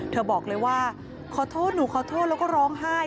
บอกเลยว่าขอโทษหนูขอโทษแล้วก็ร้องไห้